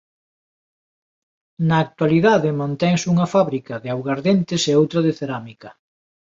Na actualidade mantense unha fábrica de augardentes e outra de cerámica.